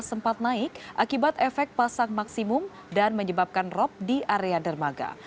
sempat naik akibat efek pasang maksimum dan menyebabkan rop di area dermaga